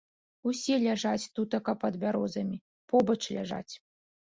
Усе ляжаць тутака пад бярозамі, побач ляжаць.